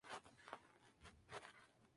El aparato se llamaba "Flyer I".